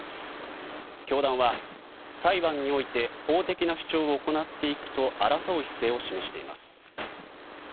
教団は、裁判において法的な主張を行っていくと争う姿勢を示しています。